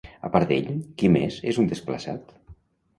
A part d'ell, qui més és un desplaçat?